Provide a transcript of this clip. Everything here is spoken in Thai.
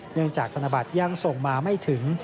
เนื่องจากธนบัตรยังส่งมาไม่ถึง